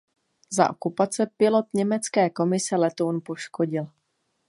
Za okupace pilot německé komise letoun poškodil.